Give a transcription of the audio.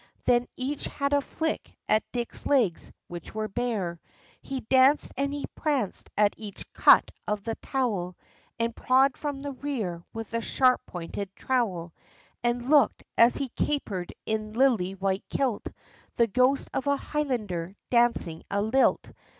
Then each had a flick at Dick's legs which were bare: He danced and he pranced at each cut of the towel And prod from the rear with a sharp pointed trowel, And look'd as he caper'd in lily white kilt The ghost of a Highlander dancing a lilt.